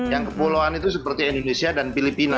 yang kepulauan itu seperti indonesia dan filipina